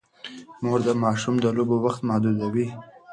مور د ماشوم د لوبو وخت محدودوي.